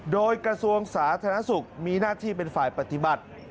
โดยกระทรวงสาธารณสุขมีหน้าที่เป็นฝ่ายปฏิบัติ